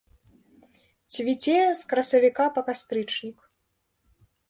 Цвіце з красавіка па кастрычнік.